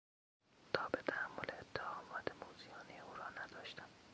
تاب تحمل اتهامات موذیانهی او را نداشتم!